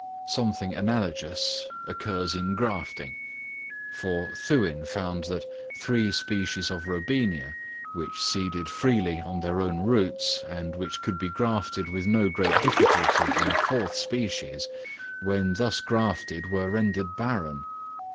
Something analogous occurs in grafting; for Thouin found that three species of Robinia, which seeded freely on their own roots, and which could be grafted with no great difficulty on a fourth species, when thus grafted were rendered barren.